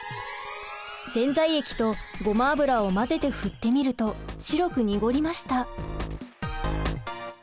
洗剤液とごま油を混ぜて振ってみると白く濁りました。